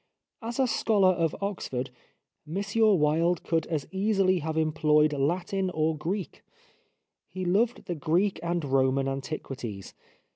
As a scholar of Oxford, M. Wilde could as easily have employed Latin or Greek. He loved the Greek and Roman antiquities.